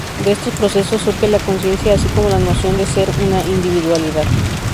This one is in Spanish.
De estos procesos surge la conciencia así como la noción de ser una individualidad.